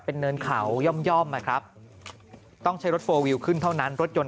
เป็นเนินเขาย่อมนะครับต้องใช้รถโฟลวิวขึ้นเท่านั้นรถยนต